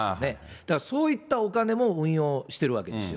だからそういったお金も運用しているわけですよ。